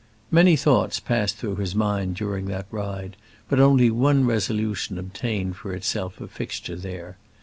Many thoughts passed through his mind during that ride, but only one resolution obtained for itself a fixture there.